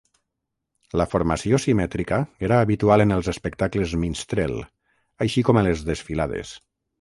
La formació simètrica era habitual en els espectacles minstrel, així com a les desfilades.